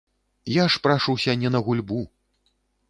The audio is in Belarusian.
Я ж прашуся не на гульбу.